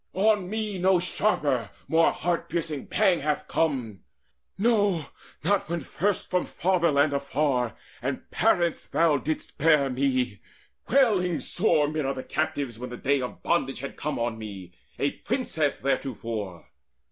On me No sharper, more heart piercing pang hath come No, not when first from fatherland afar And parents thou didst bear me, wailing sore Mid other captives, when the day of bondage Had come on me, a princess theretofore.